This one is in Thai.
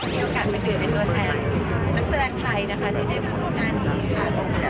มีโอกาสมาถือเป็นตัวแทนนักแสดงไทยนะคะที่ได้มาร่วมงานนี้ค่ะ